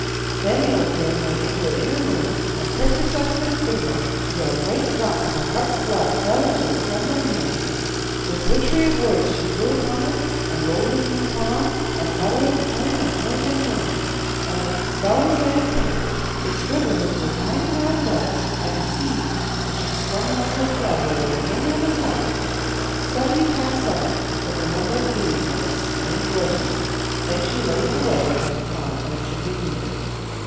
"Then the old dame went into an inner room and pricked herself with her spindle until a great red drop of her heart's blood fell into her trembling hand. With witchery of words she blew upon it, and rolled it in her palm, and muttering, turned and turned and turned it. And as the spell was laid upon it, it shrivelled it into a tiny round ball like a seed, and she strung it on to a thread where were many others like it. Seventy times seven was the number of beads on this strange rosary. Then she laid it away until the time when it should be needed.